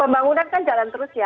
bangunan kan jalan terus ya